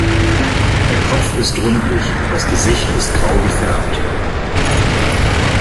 Der Kopf ist rundlich, das Gesicht ist grau gefärbt.